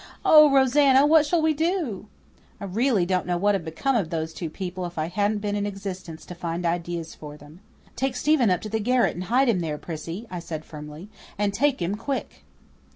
Oh, Rosanna, what shall we do?" I really don't know what would have become of those two people if I hadn't been in existence to find ideas for them. "Take Stephen up to the garret and hide him there, Prissy," I said firmly, "and take him quick."